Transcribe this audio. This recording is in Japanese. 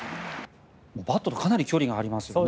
バットとかなり距離がありますよね。